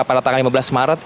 pada tanggal lima belas maret